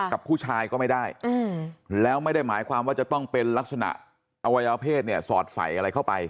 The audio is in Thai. กับผู้ชายก็ไม่ได้แล้วไม่ได้หมายความว่าจะต้องเป็นลักษณะอวัยวเพศเนี่ยสอดใส่อะไรเข้าไป